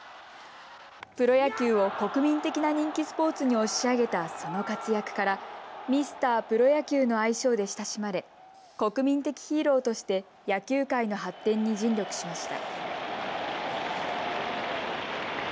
プロ野球を国民的な人気スポーツに押し上げたその活躍からミスタープロ野球の愛称で親しまれ国民的ヒーローとして野球界の発展に尽力しました。